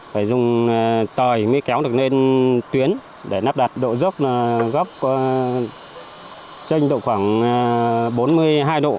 phải dùng tời mới kéo được lên tuyến để nắp đặt độ dốc gốc trên độ khoảng bốn mươi hai độ